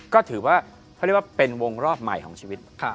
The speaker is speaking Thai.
ก็ถือว่าเขาเรียกว่าเป็นวงรอบใหม่ของชีวิต